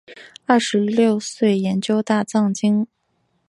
二十六岁研究大藏经。